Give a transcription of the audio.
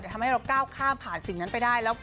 ทำให้เราเก้าข้ามผ่านสิ่งนั้นไปได้